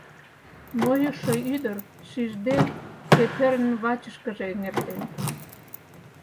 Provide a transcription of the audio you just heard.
Нойышо ӱдыр, шижде, Петерын вачышкыже эҥертен.